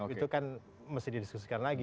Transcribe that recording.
itu kan mesti didiskusikan lagi